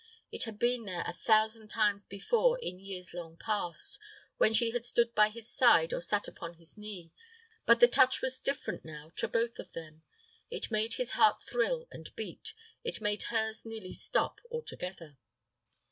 It had been there a thousand times before, in years long past, when she had stood by his side or sat upon his knee; but the touch was different now to both of them. It made his heart thrill and beat; it made hers nearly stop altogether.